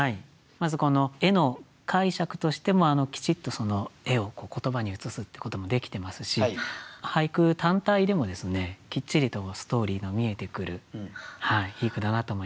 まずこの絵の解釈としてもきちっと絵を言葉にうつすってこともできてますし俳句単体でもきっちりとストーリーの見えてくるいい句だなと思います。